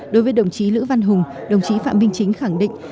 đối với đồng chí lữ văn hùng đồng chí phạm minh chính khẳng định